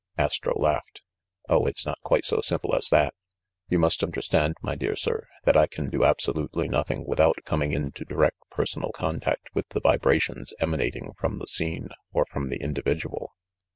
Astro laughed. "Oh, it's not quite so simple as that. You must understand, my dear sir, that I can do abso lutely nothing without coming into direct personal con tact with the vibrations emanating from the scene or from the individual.